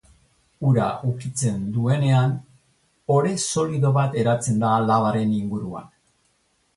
Ura ukitzen duenean, ore solido bat eratzen da labaren inguruan.